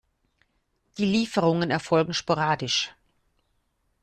Die Lieferungen erfolgen sporadisch.